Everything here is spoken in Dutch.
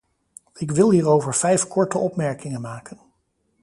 Ik wil hierover vijf korte opmerkingen maken.